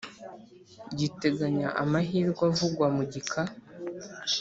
Giteganya amahirwe avugwa mu gika